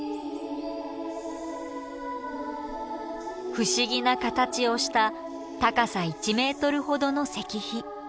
不思議な形をした高さ１ｍほどの石碑。